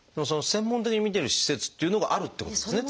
専門的に診てる施設っていうのがあるってことですね